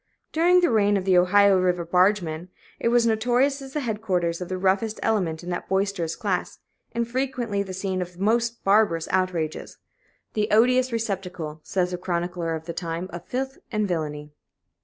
During the reign of the Ohio River bargemen,[A] it was notorious as the headquarters of the roughest elements in that boisterous class, and frequently the scene of most barbarous outrages "the odious receptacle," says a chronicler of the time, "of filth and villany."